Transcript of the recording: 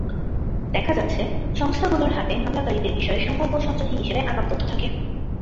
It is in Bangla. দেখা যাচ্ছে, সংস্থাগুলোর হাতে হামলাকারীদের বিষয়ে সম্ভাব্য সন্ত্রাসী হিসেবে আগাম তথ্য থাকে।